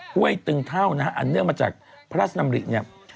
ห้วยตึงเท่านะฮะอันเนื่องมาจากพระราชดำริเนี่ย